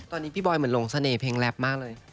ตอนนี้บร่อยลงเสน่ห์เพลงแรพมากเลย